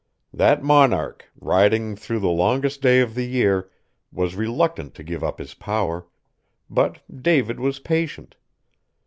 That monarch, riding through the longest day of the year, was reluctant to give up his power; but David was patient.